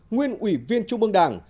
nguyên ủy viên trung ương đảng